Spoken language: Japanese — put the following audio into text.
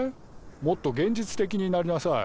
もっと現実的になりなさい。